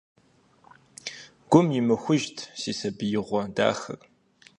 Гу имыхужт си сабиигъуэ дахэр!